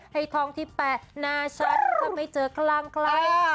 ให้ท้องที่แปะหน้าฉันทำให้เจอคล่างไกล